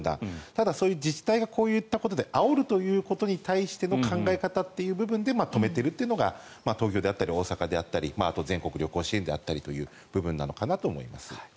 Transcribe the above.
ただそういう自治体がこういったことであおるということに対しての考え方という部分で止めているというのが東京であったり大阪であったりあとは全国旅行支援なのかなと思っております。